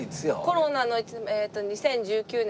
コロナの２０１９年の。